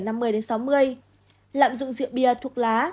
lạm dụng rượu bia thuốc lá